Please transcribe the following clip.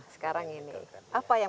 sekarang ini apa yang